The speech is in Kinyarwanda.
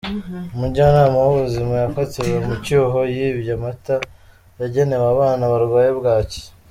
Umujyanama w’ ubuzima yafatiwe mu cyuho yibye amata yagenewe abana barwaye bwaki.